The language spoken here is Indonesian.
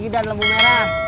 idan lembu merah